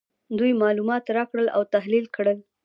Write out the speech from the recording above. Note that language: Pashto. دوی معلومات راټول او تحلیل کړل.